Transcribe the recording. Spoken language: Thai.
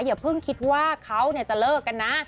อย่าเพิ่งคิดว่าเขาจะเลิกกันนะ